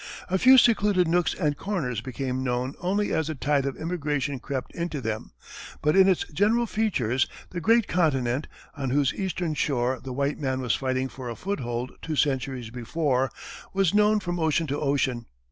A few secluded nooks and corners became known only as the tide of immigration crept into them; but in its general features, the great continent, on whose eastern shore the white man was fighting for a foothold two centuries before, was known from ocean to ocean.